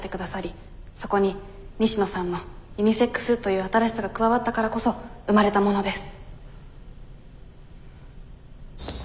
そこに西野さんのユニセックスという新しさが加わったからこそ生まれたものです。